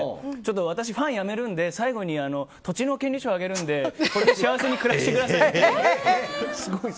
私、ファンをやめるので最後に土地の権利書あげるんで、これで幸せに暮らしてくださいって。